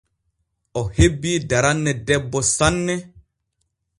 O hebbii daranne debbo sanne.